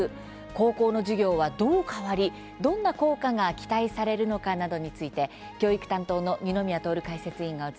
高校の授業はどう変わりどんな効果が期待されるのかなどについて、教育担当の二宮徹解説委員がお伝えします。